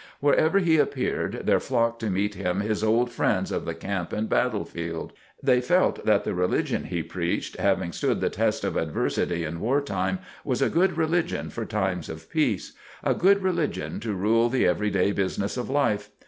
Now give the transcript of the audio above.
Wherever he appeared there flocked to meet him his old friends of the camp and battle field. They felt that the religion he preached, having stood the test of adversity in war time, was a good religion for times of peace, a good religion to rule the every day business of life.